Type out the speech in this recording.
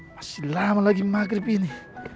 masih lama lagi maghrib ini